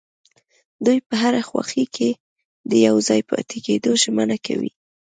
دوی په هرې خوښۍ کې د يوځای پاتې کيدو ژمنه کوي.